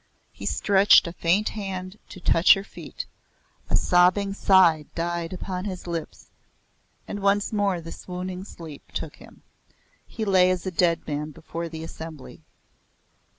He stretched a faint hand to touch her feet, a sobbing sigh died upon his lips, and once more the swooning sleep took him. He lay as a dead man before the Assembly.